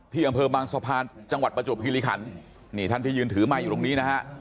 อำเภอบางสะพานจังหวัดประจวบคิริขันนี่ท่านที่ยืนถือไมค์อยู่ตรงนี้นะฮะ